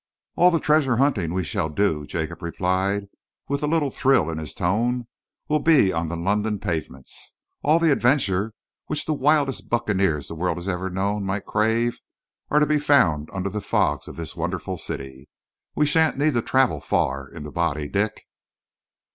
"All the treasure hunting we shall do," Jacob replied, with a little thrill in his tone, "will be on the London pavements. All the adventures which the wildest buccaneers the world has ever known might crave are to be found under the fogs of this wonderful city. We shan't need to travel far in the body, Dick.